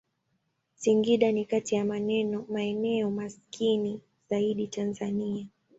Singida ni kati ya maeneo maskini zaidi ya Tanzania.